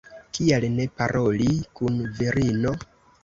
Kial ne paroli kun virino?